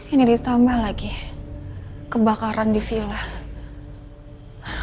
ini ditambah lagi kebakaran di villa